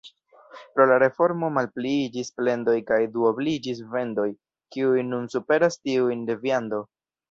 Pro la reformo malpliiĝis plendoj kaj duobliĝis vendoj, kiuj nun superas tiujn de viando.